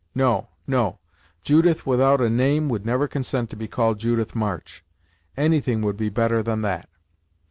"No no Judith without a name would never consent to be called Judith March! Anything would be better than that."